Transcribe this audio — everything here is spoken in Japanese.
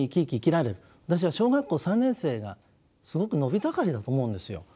私は小学校３年生がすごく伸び盛りだと思うんですよ。